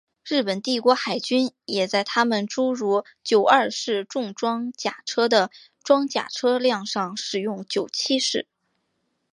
日本帝国海军也在他们诸如九二式重装甲车的装甲车辆上使用九七式。